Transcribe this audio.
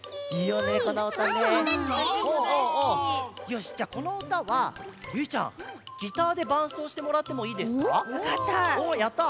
よしじゃあこのうたはゆいちゃんギターでばんそうしてもらってもいいですか？わかった。